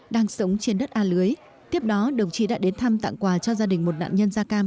đang sống trên đất a lưới tiếp đó đồng chí đã đến thăm tặng quà cho gia đình một nạn nhân da cam